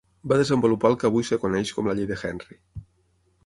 Va desenvolupar el que avui es coneix com la llei de Henry.